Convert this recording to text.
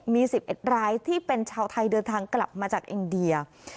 มี๑๑รายที่เป็นชาวไทยเดินทางกลับมาจากอินเดีย